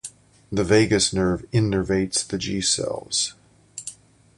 The vagus nerve innervates the G cells.